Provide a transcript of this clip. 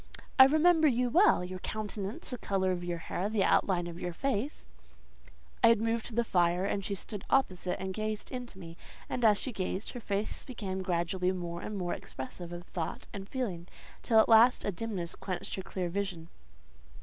"I remember you well—your countenance, the colour of your hair, the outline of your face…." I had moved to the fire, and she stood opposite, and gazed into me; and as she gazed, her face became gradually more and more expressive of thought and feeling, till at last a dimness quenched her clear vision.